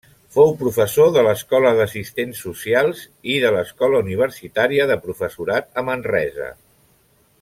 Fou professor de l'Escola d'Assistents Socials i de l'Escola Universitària de Professorat a Manresa.